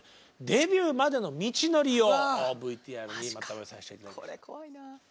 デビューまでの道のりをＶＴＲにまとめさせて頂きました。